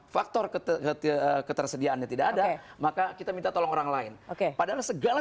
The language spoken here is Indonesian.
faktor ketar ketar tersediaan yang tidak ada maka kita minta tolong orang lain oke pada segala